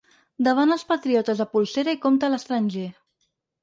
Davant els patriotes de polsera i compte a l’estranger.